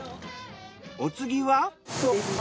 お次は？